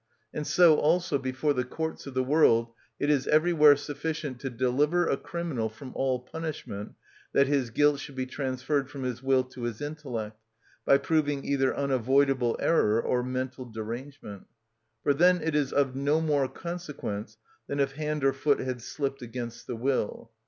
And so also, before the courts of the world, it is everywhere sufficient to deliver a criminal from all punishment that his guilt should be transferred from his will to his intellect, by proving either unavoidable error or mental derangement, for then it is of no more consequence than if hand or foot had slipped against the will.